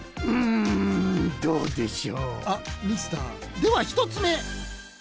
では１つめ！